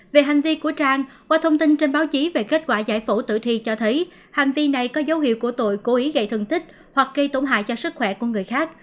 về hành vi của trang qua thông tin trên báo chí về kết quả giải phẫu tử thi cho thấy hành vi này có dấu hiệu của tội cố ý gây thân tích hoặc gây tổn hại cho sức khỏe của người khác